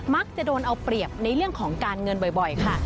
มักจะโดนเอาเปรียบในเรื่องของการเงินบ่อยค่ะ